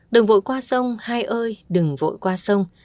đừng vội qua sông hai ơi đừng vội qua sông